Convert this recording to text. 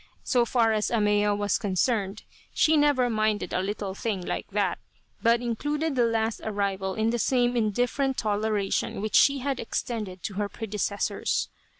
So far as Ahmeya was concerned, she never minded a little thing like that, but included the last arrival in the same indifferent toleration which she had extended to her predecessors.